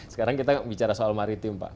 sekarang kita bicara soal maritim pak